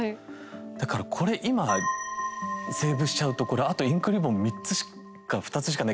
だからこれ今セーブしちゃうとこれあとインクリボン３つしか２つしかないけどどうしようみたいな。